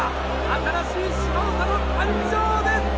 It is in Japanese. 新しい島長の誕生です！